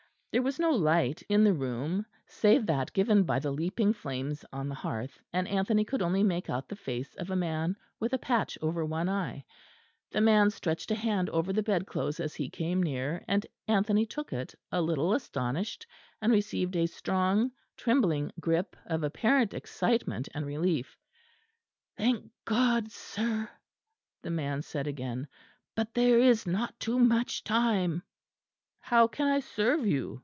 There was no light in the room, save that given by the leaping flames on the hearth; and Anthony could only make out the face of a man with a patch over one eye; the man stretched a hand over the bed clothes as he came near, and Anthony took it, a little astonished, and received a strong trembling grip of apparent excitement and relief: "Thank God, sir!" the man said again, "but there is not too much time." "How can I serve you?"